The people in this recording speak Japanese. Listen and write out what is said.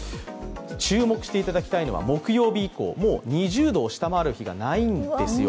注目していただきたいのは木曜日以降、もう２０度を下回る日がないんですよ。